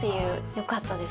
良かったです